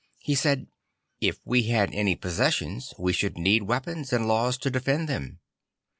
He said, "If we had any possessions, we should need weapons and laws to defend them."